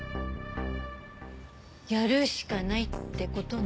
やるしかないって事ね。